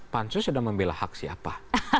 pansu sedang membela hak siapa